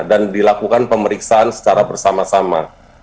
dan dilakukan pemeriksaan secara bersama sama